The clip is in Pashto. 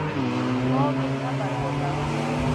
خاورې نه بربادوه.